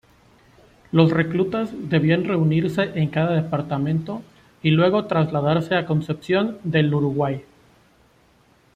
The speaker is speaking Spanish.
Los reclutas debían reunirse en cada departamento y luego trasladarse a Concepción del Uruguay.